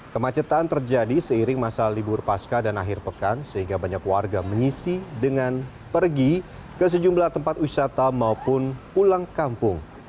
kemacetan terjadi seiring masa libur pasca dan akhir pekan sehingga banyak warga mengisi dengan pergi ke sejumlah tempat wisata maupun pulang kampung